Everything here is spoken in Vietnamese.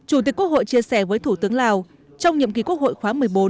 chủ tịch quốc hội chia sẻ với thủ tướng lào trong nhiệm kỳ quốc hội khóa một mươi bốn